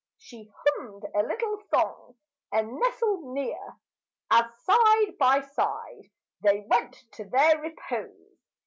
She hummed a little song and nestled near, As side by side they went to their repose.